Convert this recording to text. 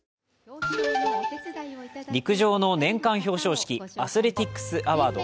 陸上の年間表彰式アスレティックス・アワード。